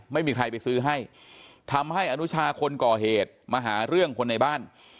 ไม่มีใครไปซื้อให้ทำให้อนุชาคนก่อเหตุมาหาเรื่องคนในบ้าน